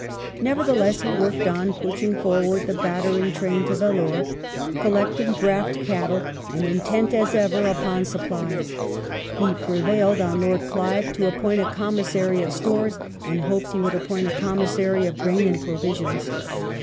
Nevertheless he worked on, pushing forward the battering train to Vellore, collecting draught cattle, and intent, as ever, upon supplies. He prevailed on Lord Clive to appoint a commissary of stores, and hoped he would appoint a commissary of grain and provisions.